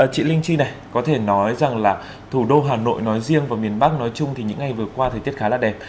chị linh chi này có thể nói rằng là thủ đô hà nội nói riêng và miền bắc nói chung thì những ngày vừa qua thời tiết khá là đẹp